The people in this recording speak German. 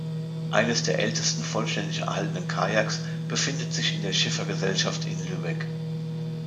Eines der ältesten vollständig erhaltenen Kajaks befindet sich in der Schiffergesellschaft in Lübeck.